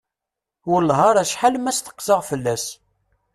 Wellah ar acḥal ma steqsaɣ fell-as.